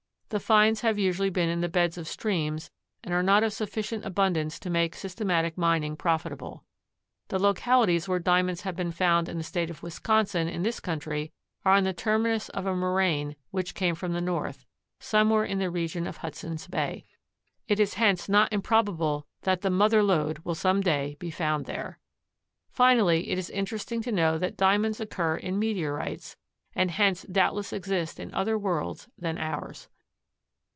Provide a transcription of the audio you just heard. The finds have usually been in the beds of streams and are not of sufficient abundance to make systematic mining profitable. The localities where Diamonds have been found in the State of Wisconsin, in this country, are on the terminus of a moraine which came from the North, somewhere in the region of Hudson's Bay. It is hence not improbable that the "mother lode" will some day be found there. Finally it is interesting to know that Diamonds occur in meteorites, and hence doubtless exist in other worlds than ours.